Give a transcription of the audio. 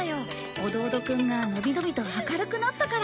オドオドくんがのびのびと明るくなったから。